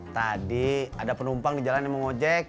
tadi ada penumpang di jalan yang mau ngejek